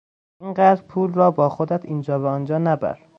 این قدر پول را با خودت اینجا و آنجا نبر!